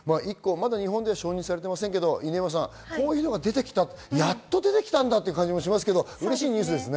まだ日本では承認されていませんが、こういうのが出てきた、やっと出てきたんだという感じがしますが、うれしいニュースですね。